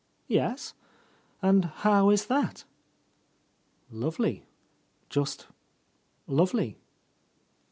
"Yes? And how is that?" "Lovely. Just lovely."